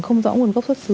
không rõ nguồn gốc xuất xứ